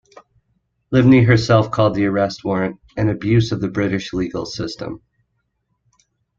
Livni herself called the arrest warrant "an abuse of the British legal system".